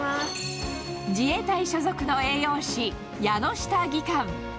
自衛隊所属の栄養士、矢ノ下技官。